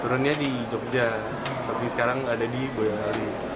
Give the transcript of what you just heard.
turunnya di jogja tapi sekarang ada di boyolali